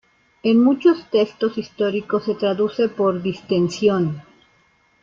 En muchos textos históricos se traduce por "distensión".